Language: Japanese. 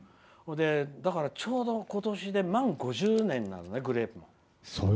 だからちょうど今年で満５０年なのね、グレープが。